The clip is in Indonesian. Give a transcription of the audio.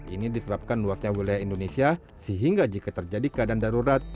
ini disebabkan luasnya wilayah indonesia sehingga jika terjadi keadaan darurat